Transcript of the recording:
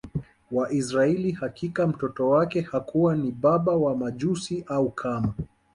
wa Israili Hakika mtoto wake hakuwa ni baba wa Majusi au kama